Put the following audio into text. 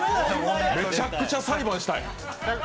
むちゃくちゃ裁判したい。